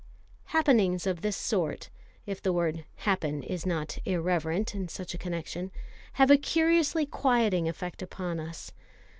Happenings of this sort if the word "happen" is not irreverent in such a connection have a curiously quieting effect upon us.